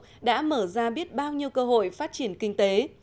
một con đường mới được đưa vào sử dụng đã mở ra biết bao nhiêu cơ hội phát triển kinh tế